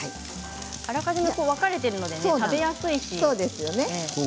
あらかじめ分かれていて食べやすいですね。